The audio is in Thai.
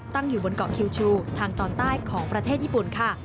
ตั้งอยู่บนเกาะคิวชูทางตอนใต้ของประเทศญี่ปุ่นค่ะ